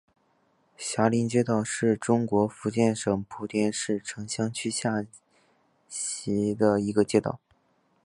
霞林街道是中国福建省莆田市城厢区下辖的一个街道。